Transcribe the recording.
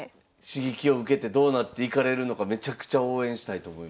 刺激を受けてどうなっていかれるのかめちゃくちゃ応援したいと思います。